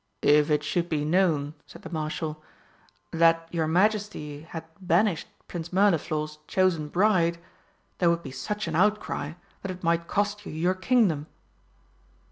"If it should be known," said the Marshal, "that your Majesty had banished Prince Mirliflor's chosen bride, there would be such an outcry that it might cost you your Kingdom."